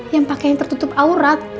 yang pakaian tertutup aurat